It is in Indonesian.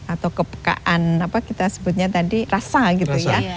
atau kepekaan apa kita sebutnya tadi rasa gitu ya